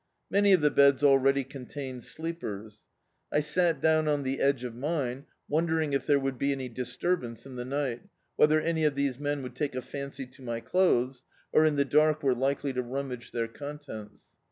Many of the beds already contained sleep ers. I sat down on the edge of mine, wondering if there would be any disturbance in the night, whether any of these men would take a fancy to my clothes, or in the dark were likely to rummage their contents.